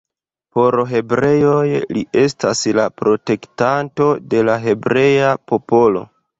Por hebreoj li estas la protektanto de la hebrea popolo.